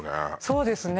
そうですね